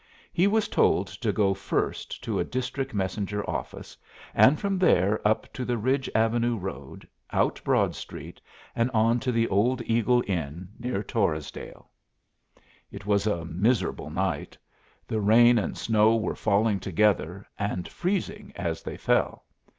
He was told to go first to a district messenger office, and from there up to the Ridge Avenue Road, out Broad Street, and on to the old Eagle Inn, near Torresdale. It was a miserable night. The rain and snow were falling together, and freezing as they fell.